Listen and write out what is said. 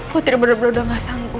putri bener bener udah gak sanggup